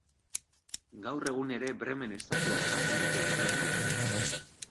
Gaur egun ere Bremen estatua osatzen dute hiri biek.